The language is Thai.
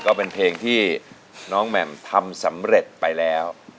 ก็เป็นเพลงที่น้องแหม่มทำสำเร็จไปแล้ว